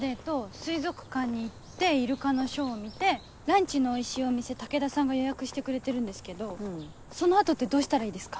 水族館に行ってイルカのショーを見てランチのおいしいお店武田さんが予約してくれてるんですけどその後ってどうしたらいいですか？